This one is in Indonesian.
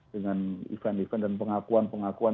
dengan event event dan pengakuan pengakuan